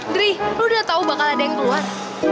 dri lu udah tau bakal ada yang keluar